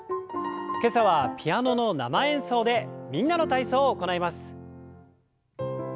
今朝はピアノの生演奏で「みんなの体操」を行います。